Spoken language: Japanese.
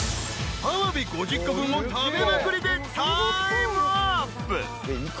［あわび５０個分を食べまくりでタイムアップ］